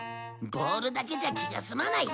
ボールだけじゃ気が済まない。